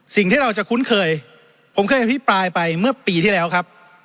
สิ่งที่เราจะคุ้นเคยผมเคยอภิปรายไปเมื่อปีที่แล้วครับ